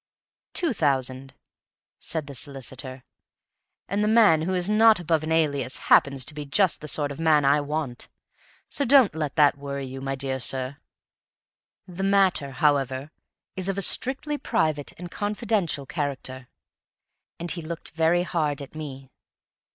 "Two thousand," said the solicitor. "And the man who is not above an alias happens to be just the sort of man I want; so don't let that worry you, my dear sir. The matter, however, is of a strictly private and confidential character." And he looked very hard at me.